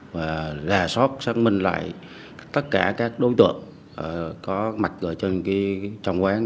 và là sót xác minh lại tất cả các đối tượng có mặt ở trong quán